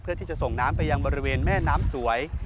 เพื่อที่จะส่งน้ำไปยังบริเวณแม่น้ำสวย